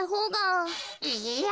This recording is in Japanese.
いいや！